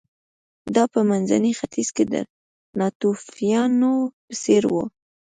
دا په منځني ختیځ کې د ناتوفیانو په څېر و